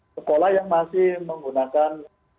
sekolah yang masih menggunakan